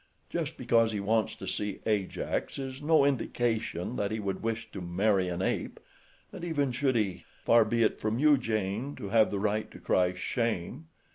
Just because he wants to see Ajax is no indication that he would wish to marry an ape, and even should he, far be it from you Jane to have the right to cry 'shame!